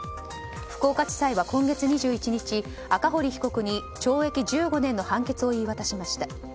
福岡地裁は今月２１日赤堀被告に懲役１５年の判決を言い渡しました。